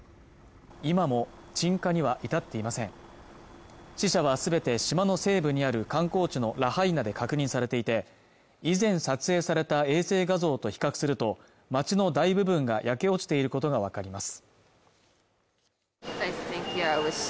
今も鎮火には至っていません死者はすべて島の西部にある観光地のラハイナで確認されていて以前撮影された衛星画像と比較すると町の大部分が焼け落ちていることが分かります